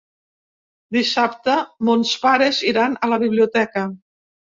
Dissabte mons pares iran a la biblioteca.